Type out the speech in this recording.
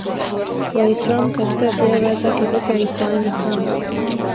Waislam katika ziara zake huko mikoani kama